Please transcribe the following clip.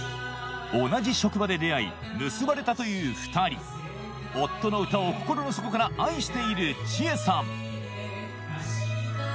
同じ職場で出会い結ばれたという２人夫の歌を心の底から愛している千絵さん